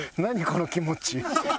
この気持ち。